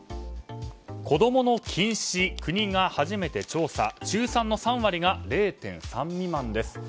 子供の近視、国が初めて調査中３の３割が０．３未満です。